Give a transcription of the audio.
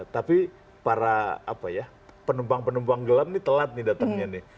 tapi para penumpang penumpang gelap ini telat nih datangnya nih